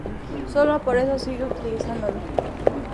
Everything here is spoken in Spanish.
Solo por eso, sigue utilizándolo.